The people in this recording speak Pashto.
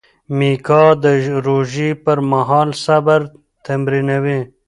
میکا د روژې پر مهال صبر تمرینوي.